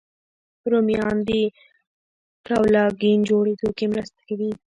رومیان د کولاګین جوړېدو کې مرسته کوي